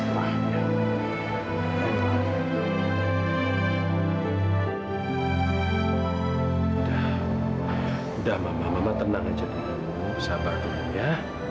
sudah sudah mama mama tenang saja dulu sabar dulu ya